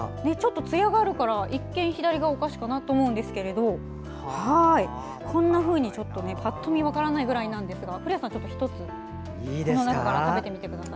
つやがあるから一見、左がお菓子かなと思うんですけどこんなふうにパッと見は分からないぐらいですが古谷さん、１つこの中から食べてみてください。